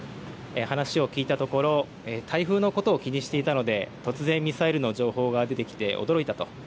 話を聞いたところ台風のことを気にしていたので突然ミサイルの情報が出てきて驚いたと。